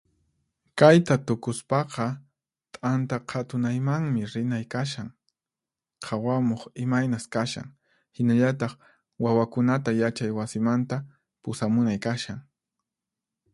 Kayta tukuspaqa, t'anta qhatunaymanmi rinay kashan, qhawamuq imaynas kashan, hinallataq wawakunata yachay wasimanta pusamunay kashan.